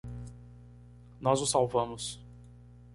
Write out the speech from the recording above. Nós o salvamos!